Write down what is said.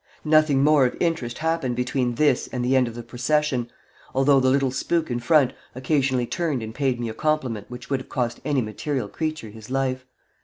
Nothing more of interest happened between this and the end of the procession, although the little spook in front occasionally turned and paid me a compliment which would have cost any material creature his life.